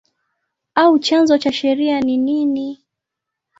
au chanzo cha sheria ni nini?